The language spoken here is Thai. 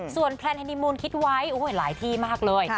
ส่วนแพลนเฮนิมูลคิดไว้หลายที่มากเลย